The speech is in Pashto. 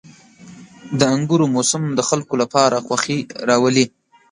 • د انګورو موسم د خلکو لپاره خوښي راولي.